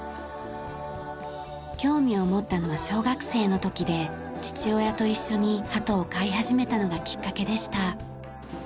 興味を持ったのは小学生の時で父親と一緒に鳩を飼い始めたのがきっかけでした。